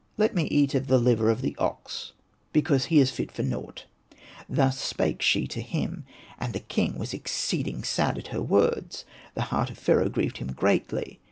Let me eat of the hver of the ox, because he is fit for nought :" thus spake she to him. And the king was exceeding sad at her words, the heart of Pharaoh grieved him greatly.